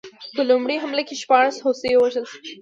په لومړۍ حمله کې شپاړس هوسۍ ووژل شوې.